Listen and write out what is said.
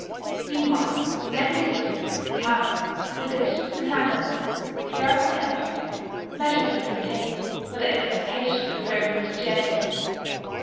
Meanwhile, in every city, town, village, and hamlet throughout the empire, measures had been taken for the extirpation of Roman Christianity.